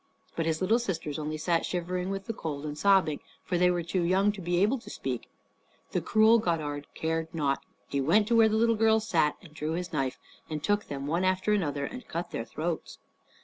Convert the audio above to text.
But his little sisters only sat shivering with the cold, and sobbing, for they were too young to be able to speak. The cruel Godard cared not. He went to where the little girls sat, and drew his knife, and took them one after another and cut their throats.